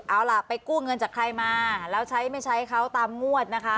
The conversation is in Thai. เอาล่ะไปกู้เงินจากใครมาแล้วใช้ไม่ใช้เขาตามงวดนะคะ